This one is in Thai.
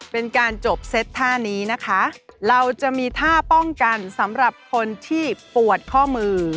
เป็นการจบเซตท่านี้นะคะเราจะมีท่าป้องกันสำหรับคนที่ปวดข้อมือ